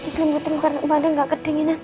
gak bisa selambutin karena badan gak kedinginan